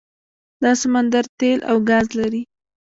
دا سمندر تیل او ګاز لري.